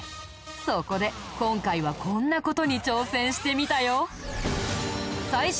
そこで今回はこんな事に挑戦してみたよ。